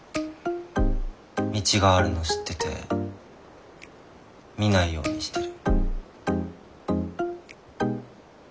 道があるの知ってて見ないようにしてる。